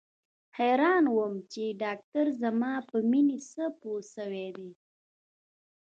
حيران وم چې ډاکتر زما په مينې څه پوه سوى دى.